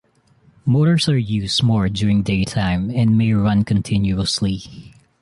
Motors are used more during daytime and many run continuously.